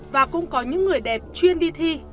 và cũng có những người đẹp chuyên đi thi